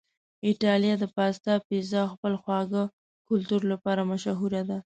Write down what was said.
ایتالیا د پاستا، پیزا او خپل خواږه کلتور لپاره مشهوره ده.